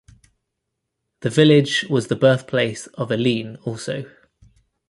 The village was the birthplace of Aline also.